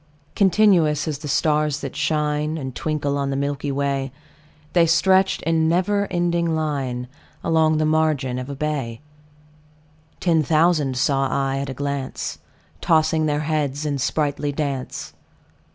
Continuous as the stars that shine And twinkle on the milky way, The stretched in never ending line Along the margin of a bay: Ten thousand saw I at a glance, Tossing their heads in sprightly dance.